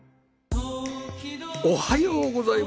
おはようございます。